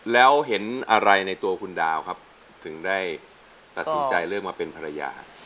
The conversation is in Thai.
แล้วเห็นอะไรในตัวคุณดาวครับถึงได้ตัดสินใจเลือกมาเป็นภรรยา